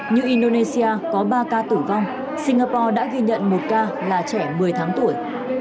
như indonesia có ba ca tử vong singapore đã ghi nhận một ca là trẻ một mươi tháng tuổi